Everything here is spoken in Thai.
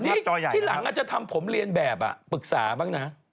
นี่ที่หลังอาจจะทำผมเรียนแบบปรึกษาบ้างนะ